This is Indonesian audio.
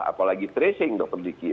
apalagi tracing dokter diki